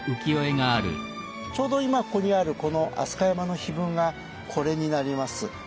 ちょうど今ここにあるこの飛鳥山の碑文がこれになります。